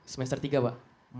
semester tiga pak